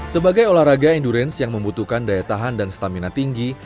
sebagai olahraga endurance yang membutuhkan daya tahan dan stamina tinggi